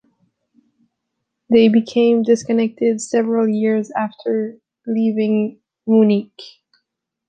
They became disconnected several years after leaving Munich.